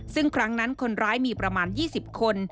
ซึ่งครั้งนั้นคนร้ายมีประมาณ๒๐คน